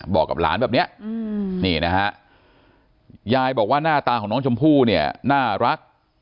บอกกับหลานแบบนี้นี่นะฮะยายบอกว่าหน้าตาของน้องชมพู่เนี่ยน่ารัก